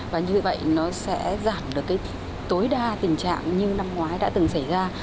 và như vậy nó sẽ giảm được cái tối đa tình trạng như năm ngoái đã từng xảy ra